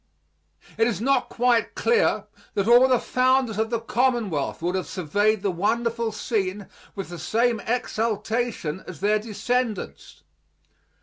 It is not quite clear that all the founders of the Commonwealth would have surveyed the wonderful scene with the same exultation as their descendants.